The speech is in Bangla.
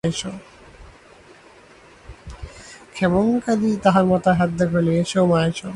ক্ষেমংকরী তাহার মাথায় হাত দিয়া কহিলেন, এসো মা, এসো।